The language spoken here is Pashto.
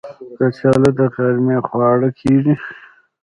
کچالو د غرمې خواړه کېږي